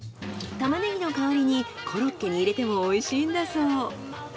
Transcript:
タマネギの代わりにコロッケに入れてもおいしいんだそう。